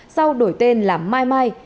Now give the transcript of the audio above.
sau đổi tên là mai mai